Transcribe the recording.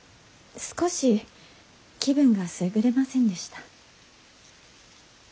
少し気分がすぐれませんでした。